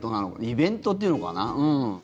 イベントっていうのかな。